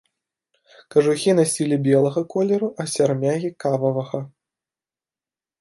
Кажухі насілі белага колеру, а сярмягі кававага.